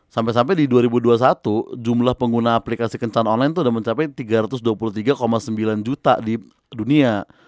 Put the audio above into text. sampai sampai di dua ribu dua puluh satu jumlah pengguna aplikasi kencan online itu sudah mencapai tiga ratus dua puluh tiga sembilan juta di dunia